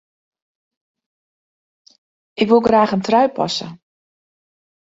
Ik wol graach in trui passe.